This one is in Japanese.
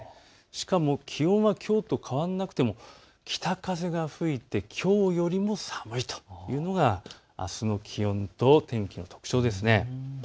しかも気温はきょうと変わらなくても北風が吹いてきょうよりも寒いというのがあすの気温と天気の特徴です。